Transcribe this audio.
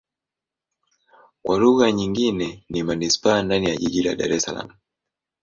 Kwa lugha nyingine ni manisipaa ndani ya jiji la Dar Es Salaam.